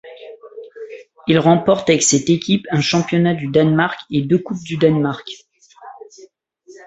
Il remporte avec cette équipe un championnat du Danemark et deux Coupes du Danemark.